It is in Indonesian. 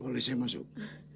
boleh saya masuk